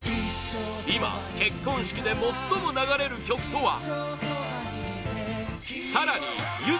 今、結婚式で最も流れる曲とは？